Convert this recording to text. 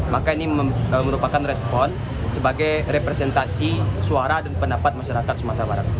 maka ini merupakan respon sebagai representasi suara dan pendapat masyarakat sumatera barat